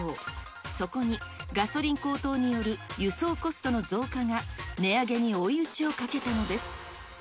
そこに、ガソリン高騰による輸送コストの増加が、値上げに追い打ちをかけたのです。